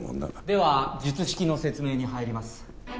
では術式の説明に入ります。